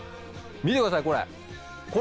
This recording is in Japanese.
見てください、これ。